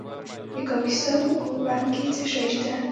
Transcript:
د کاپیسا په کوه بند کې څه شی شته؟